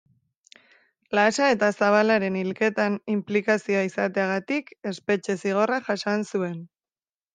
Lasa eta Zabalaren hilketan inplikazioa izateagatik, espetxe zigorra jasan zuen.